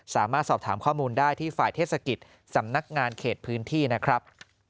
สามารถสอบถามข้อมูลได้ที่ฝ่ายเทศกิจสำนักงานเขตพื้นที่นะครับ